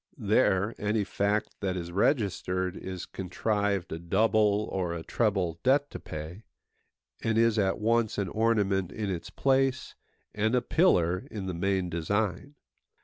There, any fact that is registered is contrived a double or a treble debt to pay, and is at once an ornament in its place, and a pillar in the main design.